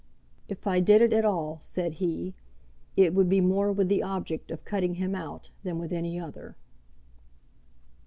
"If I did it at all," said he, "it would be more with the object of cutting him out than with any other."